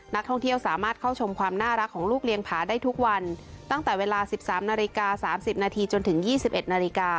นักท่องเที่ยวสามารถเข้าชมความน่ารักของลูกเลี้ยงผาได้ทุกวันตั้งแต่เวลา๑๓นาฬิกา๓๐นาทีจนถึง๒๑นาฬิกา